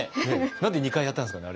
なんで２回やったんですかね